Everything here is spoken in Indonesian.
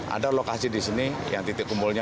ada lokasi di sini yang titik kumpulnya